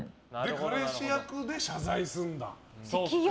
彼氏役で謝罪するんだ。